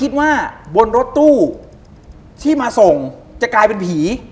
ไม่คิดว่าบนรถตู้ที่มาส่งจะกลายเป็นผี